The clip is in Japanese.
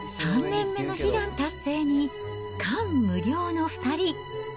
３年目の悲願達成に、感無量の２人。